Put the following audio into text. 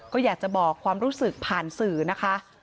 ก็อยากจะบอกความรู้สึกผ่านสื่อนะคะ